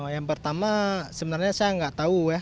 yang pertama sebenarnya saya nggak tahu ya